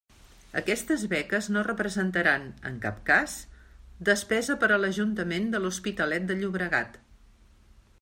Aquestes beques no representaran, en cap cas, despesa per a l'Ajuntament de L'Hospitalet de Llobregat.